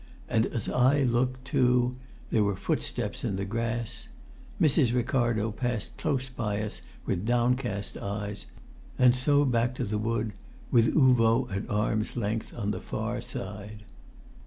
And as I looked, too, there were footsteps in the grass, Mrs. Ricardo passed close by us with downcast eyes, and so back into the wood, with Uvo at arm's length on the far side.